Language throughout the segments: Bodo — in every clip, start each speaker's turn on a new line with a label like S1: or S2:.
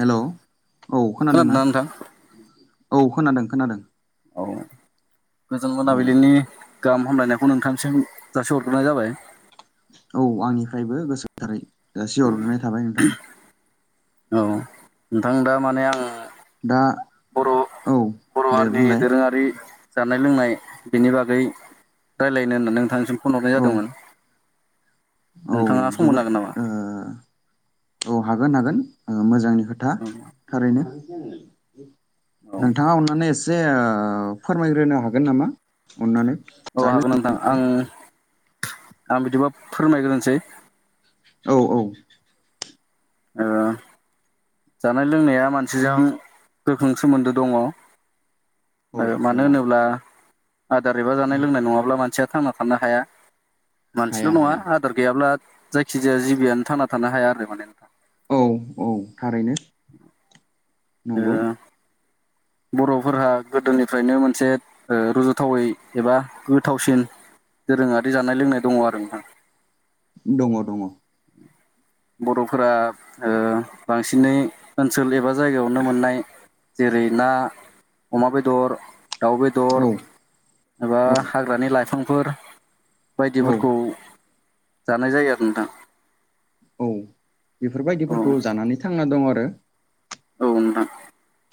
S1: हेलौ औ खोनादों ना
S2: खोनादोंना नोंथां
S1: औ खोनादों खोनादों।
S2: औ गोजोन
S1: औ
S2: मोनाबिलिनि गाहाम हामलायनायखौ नोंथांनिसिम जासि हरग्रोनाय जाबाय।
S1: औ आंनिफ्रायबो गोसो गोथारै जासिहरग्रोनाय थाबाय नोंथां।
S2: औ नोंथां दा माने आं
S1: दा
S2: बर'
S1: औ
S2: बर'
S1: दे
S2: हारिनि
S1: बुंलाय
S2: दोरोङारि जानाय लोंनाय बिनि बागै रायज्लायनो होननानै नोंथांनिसिम फन हरनाय
S1: औ
S2: जादोंमोन
S1: औ
S2: नोंथाङा सम होनो
S1: जोबोद
S2: हागोन नामा?
S1: ओ औ हागोन हागोन ओ मोजांनि खोथा। थारैनो
S2: औ
S1: नोंथाङा अननानै एसे जे ओ फोरमायग्रोनो हागोन नामा अननानै।
S2: औ
S1: जानाय
S2: हागोन नोंथां आं आं बिदिबा फोरमायग्रोनोसै।
S1: औ औ
S2: ओ जानाय लोंनाया मानसिजों गोख्रों सोमोन्दो दङ।
S1: औ
S2: ओ
S1: दङ
S2: मानो होनोब्ला आदार एबा जानाय लोंनाय नङाब्ला मानसिया थांना थानो हाया
S1: हाया
S2: मानसिल' नङा
S1: हाया
S2: आ दार गैयाब्ला जायखिजाया जिबियानो थांना थानो हाया आरो माने।
S1: औ औ थारैनो।
S2: [inaudible] ओ
S1: नंगौ
S2: बर'फोरहा गोदोनिफ्रायनो मोनसे ओ रज'थावै एबा गोथावसिन दोरोङारि जानाय लोंनाय दङ आरो नोंथां।
S1: दङ दङ।
S2: बर'फोरा ओ बांसिनै ओनसोल एबा जायगायावनो मोननाय जेरै ना अमा बेदर दाउ बेद
S1: औ
S2: एबा हाग्रानि लाइफांफोर
S1: औ
S2: बायदिफोरखौ जानाय जायो आरो नोंथां
S1: औ
S2: औ
S1: बेफोरबायदिफोरखौ जानानै थांना दं आरो
S2: औ नोंथां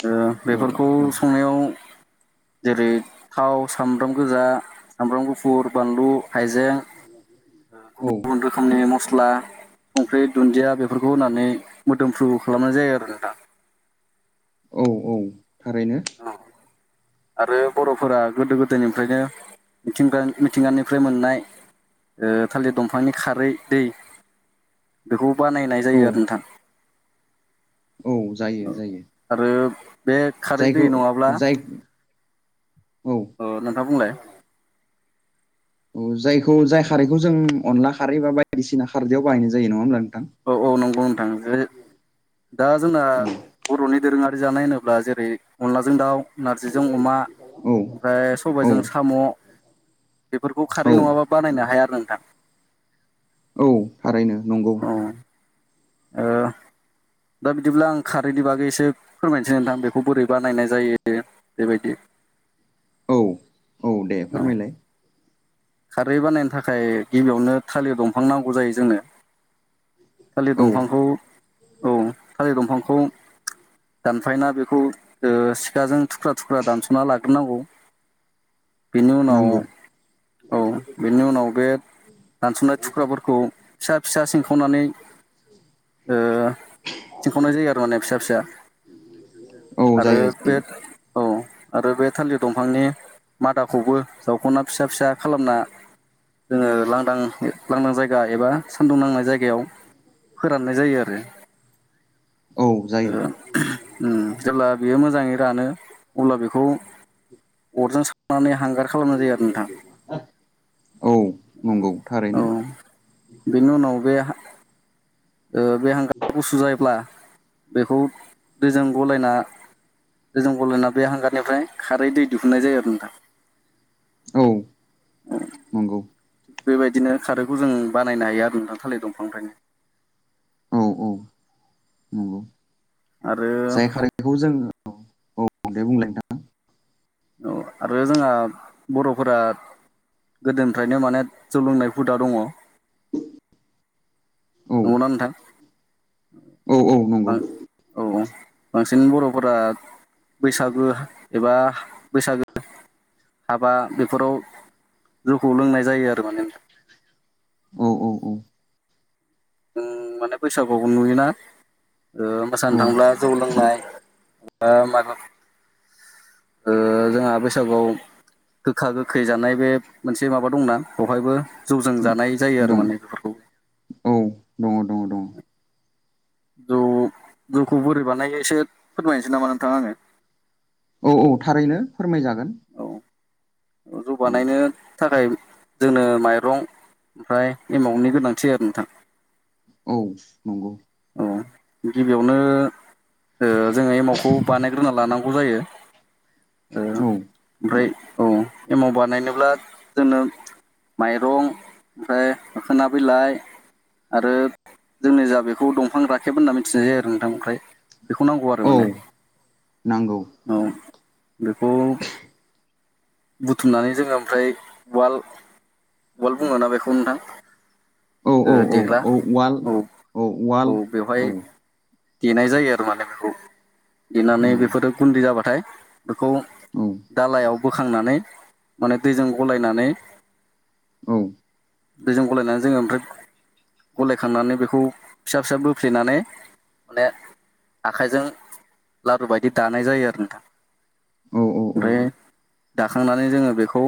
S2: ओ
S1: औ
S2: बेफोरखौ
S1: औ
S2: संनायाव जेरै थाव सामब्राम गोजा सामब्राम गुफुर बानलु हाइजें [inaudible]
S1: औ
S2: रोखोमनि मस्ला संख्रि दुन्दिया बेफोरखौ होनानै मोदोमफ्रु खालामनाय जायो आरो नोंथां।
S1: औ औ थारैनो
S2: आरो बर'फोरा गोदो गोदायनिफ्रायनो मिथिंगानि मिथिंगानिफ्राय मोननाय ओ थालिर दंफांनि खारै दै बेखौ बानायनाय
S1: औ
S2: जायो आरो नोंथां।
S1: औ जायो जायो।
S2: आरो बे खारै दै
S1: जायखौ
S2: नङाब्ला
S1: जाय औ औ
S2: ओ नोंथां बुंलाय
S1: औ जायखौ जाय खारैखौ जों अनला खारै बा बायदिसिना खारदैयाव बाहायनाय जायो नङा होमब्ला नोंथां
S2: औ औ नंगौ नोंथां जे दा जोंना
S1: औ
S2: बर'नि दोरोङारि जानाय होनोब्ला जेरै अनलाजों दाउ नारजिजों अमा
S1: औ
S2: ओमफ्राय
S1: औ
S2: सबाइजों साम' बेफोरखौ
S1: औ
S2: खारै नङाबा बानायनो हाया आरो नोंथां।
S1: औ थारैनो नंगौ।
S2: औ ओ
S1: [inaudible]
S2: दा बिदिब्ला आं खारैनि बागै एसे फोरमायनोसै नोंथां बेखौ बोरै बानायनाय जायो। बेबायदि
S1: औ औ दे
S2: औ
S1: फोरमायलाय
S2: खारै बानायनो थाखाय गिबियावनो थालिर दंफां नांगौ जायो जोंनो थालिर
S1: औ
S2: दंफांखौ औ थालिर दंफांखौ दानफायना बेखौ सिखाजों थुख्रा थुख्रा दानस'ना लाग्रोनांगौ
S1: [inaudible]
S2: बेनि उनाव
S1: नांगौ
S2: औ बेनि उनाव बे दानस'नाय थुख्राफोरखौ फिसा फिसा सिंखावनानै सिनखावनाय जायो आरो माने फिसा फिसा
S1: औ
S2: आरो
S1: जायो
S2: बे
S1: जायो
S2: औ आरो बे थालिर दंफांनि मादाखौबो जावख'ना फिसा फिसा खालामना जोङो लांदां लांदां जायगा एबा सान्दुं नांनाय जायगायाव फोराननाय जायो आरो
S1: औ जायो
S2: जेब्ला बियो मोजाङै रानो अब्ला बेखौ अरजों सावनानै हांगार खालामनाय जायो आरो नोंथां
S1: औ नंगौ
S2: औ
S1: थारैनो
S2: बेनि उनाव बे बे हांगार गुसु जायोब्ला बेखौ दैजों गलायना जों गलायना बे हांगारनिफ्राय खारै दै दिहुननाय जायो आरो नोंथां।
S1: औ नंगौ।
S2: थिग बेबायदिनो खारैखौ जों बानायनो हायो आरो नोंथां थालिर दंफांनिफ्रायनो
S1: औ औ नंगौ
S2: आरो
S1: जाय खारैखौ जोङो औ दे बुंलाय नोंथाङा
S2: औ आरो जोंहा बर'फोरा गोदोनिफ्रायनो माने जौ लोंनाय हुदा दङ।
S1: नोंथां
S2: नंगौना
S1: औ
S2: नोंथां?
S1: औ
S2: औ
S1: नंगौ
S2: औ बांसिन बर'फोरा बैसागो एबा बैसागो हाबा बेफोराव जौखौ लोंनाय जायो आरो माने नोंथां।
S1: औ औ औ
S2: माने बैसागुआवबो नुयोना।
S1: औ
S2: मोसानो थांब्ला जौ लोंनाय बा मा जोंहा बैसागुआव गोखा गोखै जानाय बे मोनसे माबा दंना बेवहायबो जौजों जानाय जायो आरो
S1: दं
S2: माने।
S1: औ दङ दङ दङ
S2: [inaudible] जौ जौखौ बोरै बानायो एसे फोरमायनोसै नामा नोंथां आङो।
S1: औ औ थारैनो फोरमायजागोन।
S2: औ जौ
S1: औ
S2: बानायनो थाखाय जोंनो माइरं ओमफ्राय एमाउनि गोनांथि आरो नोंथां।
S1: औ नंगौ।
S2: औ गिबियावनो जोङो एमावखौ बानायग्रोना लानांगौ। जायो
S1: औ
S2: ओमफ्राय औ एमाव बानायनोब्ला जोंनो माइरं ओमफ्राय मोखोना बिलाइ आरो जोंनि जा बे खौ दंफां राखेब होनना मिथिनाय जायो आरो नोंथां ओमफ्राय बेखौ नांगौ आरो
S1: औ
S2: माने।
S1: नांगौ
S2: औ बेखौ बुथुमनानै जोङो ओमफ्राय उवाल उवाल बुङोना बेखौ नोंथां
S1: औ औ औ
S2: देग्रा
S1: औ उवाल
S2: औ। औ बेवहाय
S1: औ
S2: देनाय जायो आरो माने बेखौ।
S1: औ
S2: देनानै बेफोरो गुन्दै जाबाथाय बेखौ
S1: औ
S2: दालायाव बोखांनानै माने दैजों गलायनानै
S1: औ
S2: दैजों गलायनानै जोङो ओमफ्राय गलायखांनानै बेखौ फिसा फिसा बोफ्लेनानै माने आखाइजों लारु बायदि दानाय जायो आरो नोंथां
S1: औ औ
S2: ओमफ्राय दाखांनानै जोङो बेखौ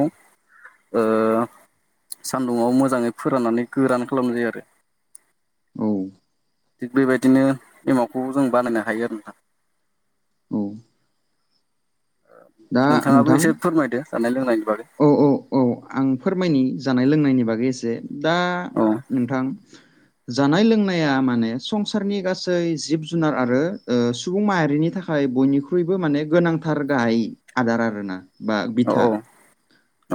S2: ओ सान्दुंङाव मोजाङै फोराननानै गोरान खालामनाय जायो आरो।
S1: औ
S2: थिग बेबायदिनो एमावखौ जों बानायनो हायो आरो नोंथां।
S1: औ दा
S2: नोंथाङाबो
S1: नोंथां
S2: एसे फोरमायदो जानाय लोंनायनि बागै।
S1: औ औ औ आं फोरमायनि जानाय लोंनायनि बागै एसे। दा
S2: औ
S1: नोंथां जानाय लोंनाया माने संसारनि गासै जिब जुनार आरो ओ सुबुं माहारिनि थाखाय थाखाय बयनिख्रुइबो माने गोनांथार गाहाय। आदार आरोना बा बिथा।
S2: औ औ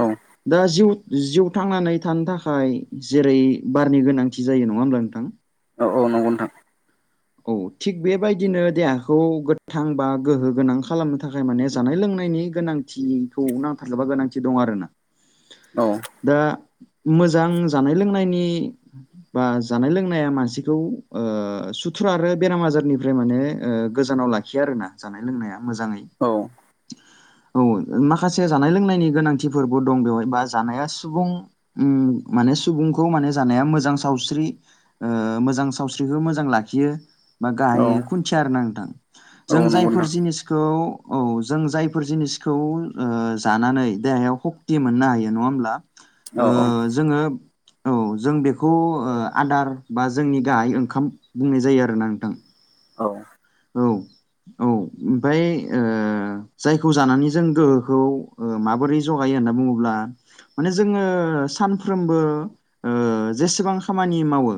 S1: दा जिउ जिउ थांनानै थानो थाखाय जेरै बारनि गोनांथि जायो नङा होमब्ला नोंथां।
S2: औ औ नंगौ नोंथां।
S1: औ थिग बेबायदिनो देहाखौ गोथां बा गोहो गोनां खालामनो थाखाय माने जानाय लोंनायनि गोनां। थिखौ नांथारगौ बा गोनांथि दं आरोना।
S2: औ।
S1: दा मोजां जानाय लोंनायनि बा जानाय लोंनाया मानसिखौ ओ सुथुर आरो बेराम आजारनिफ्राय माने ओ गोजानाव लाखिया आरो ना जानाय लोंनाया मोजां।
S2: औ
S1: औ माखासे जानाय लोंनायनि गोनांथिफोरबो दं बेवहाय बा जानाया सुबुं उम माने सुबुंखौ माने जानाया मोजां सावस्रि ओ मोजां सावस्रिखौ मोजां ला खियो बा गायो
S2: औ
S1: खुन्थिया आरो नोंथां
S2: औ
S1: जों
S2: नंगौ
S1: जायफोर
S2: नोंथां
S1: जिनिसखौ औ जों जायफोर जिनिसखौ ओ जानानै देहायाव सक्ति मोननो हायो नङा होमब्ला ओ
S2: औ औ
S1: जोङो औ जों बेखौ आदार बा जोंनि गाहाय ओंखाम बुंनाय जायो आरोना नोंथां।
S2: औ
S1: औ औ ओमफ्राय ओ जायखौ जानानै जों गोहोखौ माबोरै जगायो होनना बुङोब्ला माने जोङो सानफ्रोमबो ओ जेसेबां खामानि मावो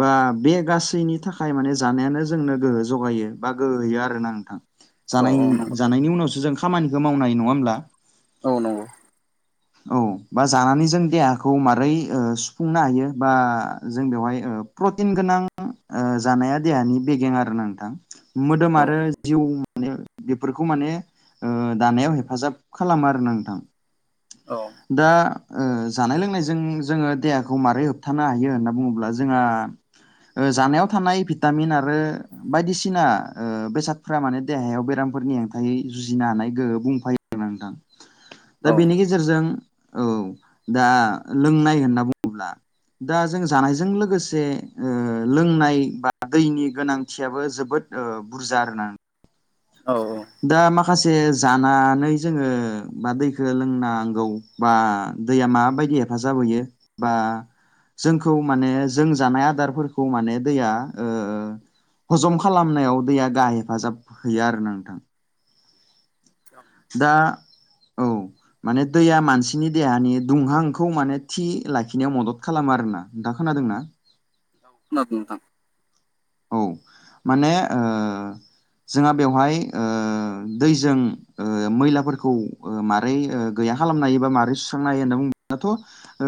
S1: बा बे गासैनि थाखाय माने जानायानो जोंनो गोहो जगायो बा गोहो होयो आरोना नोंथां
S2: औ
S1: जानाय
S2: औ नंगौ नोंथां
S1: जानायनि उनावसो जों खामानिखौ मावनाय नङा होमब्ला
S2: औ नंगौ
S1: [inaudible] औ बा जानानै जों देहाखौ मारै ओ सुफुंनो हायो बा जों बेवहाय प्रटिन गोनां ओ जानाया देहानि बेगें आरो ना नोंथां मोदोम
S2: औ
S1: आरो जिउ माने बेफोरखौ माने ओ दानायाव हेफाजाब खालामो आरो ना नोंथां।
S2: नंगौ औ
S1: दा ओ जानाय लोंनायजों जोङो देहाखौ मारै होबथानो हायो होनना बुङोब्ला जोंहा ओ जानायाव थानाय भिटामिन आरो बायदि सिना बेसादफोरा माने देहायाव बेरामफोरनि हेंथायै जुजिनो हानाय गोहो बुंफायो आरोना नोंथां
S2: औ
S1: दा बेनि गेजेरजों औ दा लोंनाय होनना बुङोब्ला दा जों जानायजों लोगोसे ओ लोंनाय बा दैनि गोनांथियाबो जोबोद बुरजा आरो ना
S2: औ औ
S1: दा माखासे जानानै जोङो बा दैखौ लोंनांगौ बा दैया माबायदि हेफाजाब होयो बा जोंखौ माने जों जानाय आदारफोरखौ माने दैया ओ हजम खालामनायाव दैया गाह हेफाजाब होयो आरो नोंथां।
S2: [inaudible]
S1: दा औ माने दैया मानसिनि देहानि दुंहांखौ माने थि लाखिनायाव मदद खालामो आरोना दा खोनादों ना?
S2: खोनादों नोंथां।
S1: [inaudible] औ माने ओ जोंहा बेवहाय ओ दैजों ओ मैलाफोरखौ ओ मारै ओ गैया खालामनो हायो बा मारोरै सुस्रांनो हायो होनना बुङोबाथ' ओ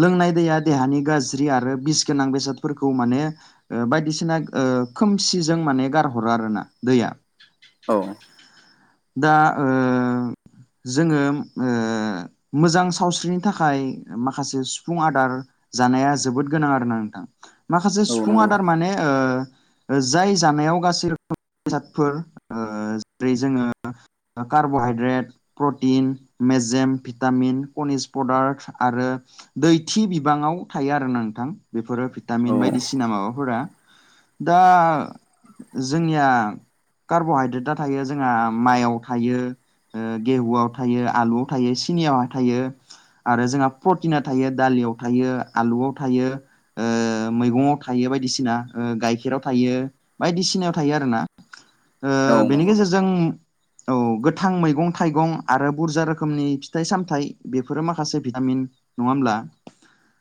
S1: लोंनाय दैया देहानि गाज्रि आरो बिस गोनां बेसादफोरखौ माने ओ बायदिसिना ओ खोमसिजों माने गारहरो आरो ना दैया।
S2: औ
S1: दा ओ जोङो ओ मोजां सावस्रिनि थाखाय माखासे सुफुं आदार जानाया जोबोद गोनां आरोना नोंथां माखासे
S2: औ
S1: सुफुं
S2: नंगौ
S1: आदार माने ओ जाय जानायाव गाज्रि रोखोमनि बेजादफोर ओ जेरै जोङो बा कब'हायद्रेट प्रटिन मेजेम भिटामिन कनिस प्रडाक्ट आरो दैथि बिबाङाव थायो आरो नोंथां बेफोरो
S2: औ
S1: भिटामिन बायदिसिना माबाफोरा। दा जोंनिया कार्ब'हाइद्रेटआ थायो जोंहा माइयाव थायो ओ गेहुआव थायो आलुआव थायो सिनियाव थायो। आरो जोंहा प्रटिना थायो दालियाव थायो आलुआव थायो। ओ मैगंवाव थायो बायदिसिना ओ गाइखेराव थायो। बायदिसिनायाव थायो आरोना ओ
S2: औ
S1: बेनि
S2: नंगौ
S1: गेजेरजों औ गोथां मैगं थाइगं आरो बुरजा रोखोमनि फिथाइ सामथाइ बेफोरो माखासे भिटामिन नङा होमब्ला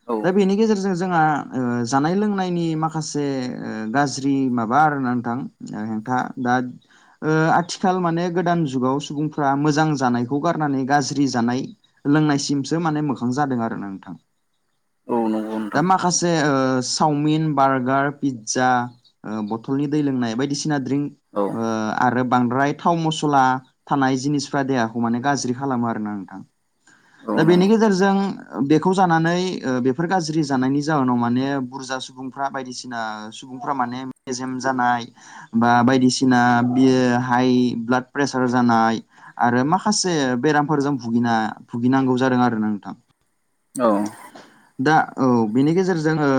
S2: औ नंगौ नोंथां औ
S1: दा बेनि गेजेरजों जोंहा ओ जानाय लोंनायनि माखासे ओ गाज्रि माबा आरोना नोंथां। ओ हेंथा दा ओ आथिखाल आथिखाल माने गोदान जुगाव सुबुंफ्रा मोजां जानायखौ गारनानै गाज्रि जानाय लोंनायसिमसो माने मोखां जादों आरोना नोंथां
S2: औ नंगौ
S1: दा
S2: नोंथां
S1: माखासे चावमिन बार्गार पिज्जा ओ बथलनि दै लोंनाय बायदिसिना ड्रिंक
S2: औ
S1: ओ आरो बांद्राय थाव मसला थानाय जिनिसफ्रा देहाखौ माने गाज्रि खालामो आरोना नोंथां दा बेनि गेजेरजों बेखौ जानानै ओ बेफोर गाज्रि जानायनि जाहोनाव माने बुरजा सुबुं फ्रा बायदिसिना सुबुंफ्रा माने मेजेम जानाय बा बायदिसिना बियो हाइ ब्लाड प्रेसार जानाय आरो माखासे बेरामफोरजों भुिना भुगिनांगौ जादों आरो ना नोंथां
S2: औ
S1: दा औ बिनि गेजेरजों ओ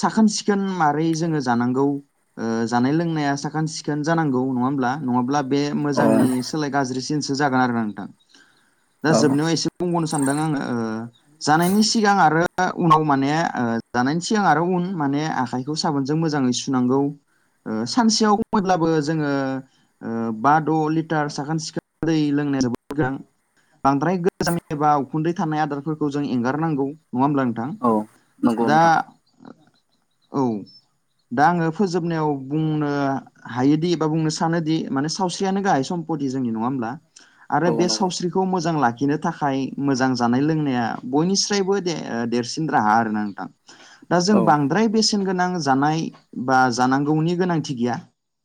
S1: साखोन-सिखोन मारै जोङो जानांगौ ओ जानाय लोंनाया साखोन-सिखोन जानांगौ नङा होमब्ला नङाब्ला बे मोजांनि सोलाय गाज्रिसिनसो जागोन आरो नोंथां दा जोबनायाव एसे बुंबावनो सानदों आङो ओ जानायनि सिगां आरो उनाव माने ओ जानायनि सिगां आरो उन माने आखाय खौ साबोनजों मोजाङै सुनांगौ ओ सानसेयावब्लाबो जोङो बा द' लिटार साखोन सिखोन दै लोंनाया जोबोद गोनां बांद्राय गोजाम एबा उखुन्दै थानाय आदार फोरखौ जों एंगारनांगौ नङा होमब्ला नोंथां
S2: औ नंगौ
S1: दा
S2: नोंथां
S1: औ दा आङो फोजोबनायाव बुंनो हायोदि एबा बुंनो सानोदि माने सावस्रियानो गाहाय सम्पति जोंनि नङा होमब्ला
S2: औ
S1: आरो बे
S2: नंगौ
S1: सावस्रिखौ मोजां लाखिनो थाखाय मोजां जानाय लोंनाय बयनिफ्राबो देरसिन राहा आरोना नोंथां दा जों
S2: औ
S1: बांद्राय बेसेन गोनां जानाय बा जानांगौनि गोनांथि गैया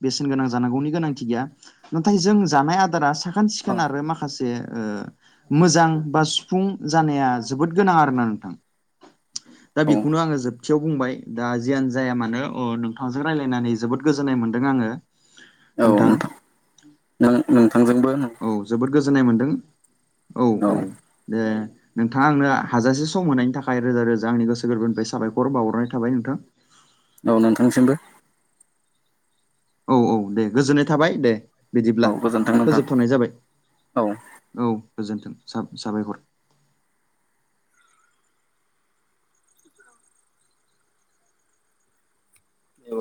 S1: बेसेन गोनां जानांगौनि गोनांथि गैया नाथाय जों जानाय आदारा साखोन सिखोन आरो माखासे मोजां बा सुफुं जानाया जोबोद गोनां आरोना नोंथां दा
S2: औ
S1: बेखौनो आङो जोब थियाव बुंबाय दा जियानो जाया मानो अ नोंथांजों रायज्लायनानै जोबोद गोजोननाय मोन्दों आङो
S2: औ नोंथां नोंथांजों
S1: औ जोबोद गोजोननाय मोनदों
S2: औ
S1: औ-औ दे नोंथाङा आंनो हाजासे सम मोनायनि थाखाय रोजा रोजा आंनि गोसो गोरबोनिफ्राय साबायखर बावहरनाय थाबाय नोंथां
S2: औ नोंथांसिमबो
S1: औ-औ दे गोजोननाय थाबाय दे
S2: औ
S1: बिदिब्ला
S2: गोजोन्थों नोंथां
S1: फोजोबथ'नाय जाबाय औ गोजोन्थों साबायहर
S2: औ